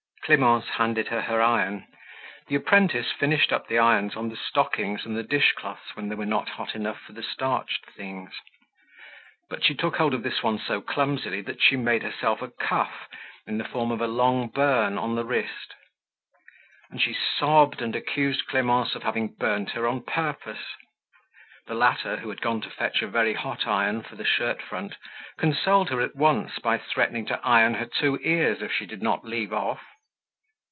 Clemence handed her her iron; the apprentice finished up the irons on the stockings and the dish cloths when they were not hot enough for the starched things. But she took hold of this one so clumsily that she made herself a cuff in the form of a long burn on the wrist. And she sobbed and accused Clemence of having burnt her on purpose. The latter who had gone to fetch a very hot iron for the shirt front consoled her at once by threatening to iron her two ears if she did not leave off.